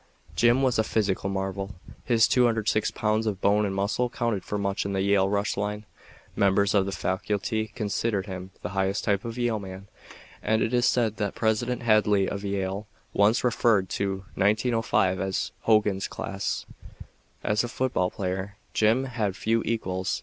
Jim was a physical marvel. His 206 pounds of bone and muscle counted for much in the Yale rush line. Members of the faculty considered him the highest type of Yale man, and it is said that President Hadley of Yale once referred to 1905 as "Hogan's Class." As a football player, Jim had few equals.